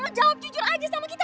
oh jawab jujur aja sama kita